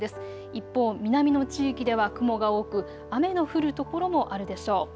一方、南の地域では雲が多く雨の降る所もあるでしょう。